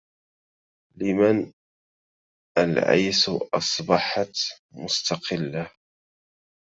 لمن العيس أصبحت مستقله